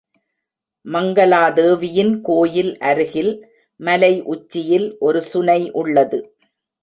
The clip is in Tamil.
மங்கலா தேவியின் கோயில் அருகில் மலை உச்சியில் ஒரு சுனை உள்ளது.